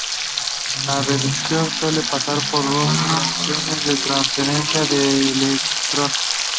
La reducción suele pasar por dos reacciones de transferencia de un electrón.